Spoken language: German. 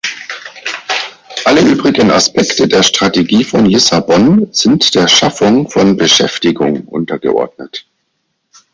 Alle übrigen Aspekte der Strategie von Lissabon sind der Schaffung von Beschäftigung untergeordnet.